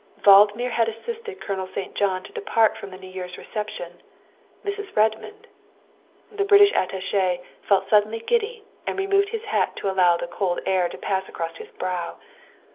Valdmir had assisted Colonel St. John to depart from the New Year's reception, Mrs. Redmond The British Attache felt suddenly giddy and removed his hat to allow the cold air to pass across his brow.